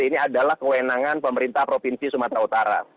ini adalah kewenangan pemerintah provinsi sumatera utara